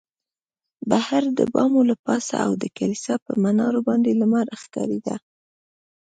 بهر د بامو له پاسه او د کلیسا پر منارو باندې لمر ښکارېده.